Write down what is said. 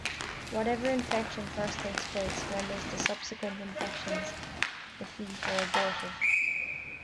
Whatever infection first takes place, renders the subsequent infections effete or abortive.